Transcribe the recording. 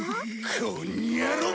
こんにゃろう！